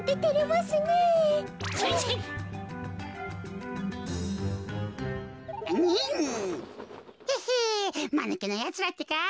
まぬけなやつらってか。